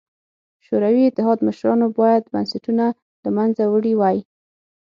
شوروي اتحاد مشرانو باید بنسټونه له منځه وړي وای.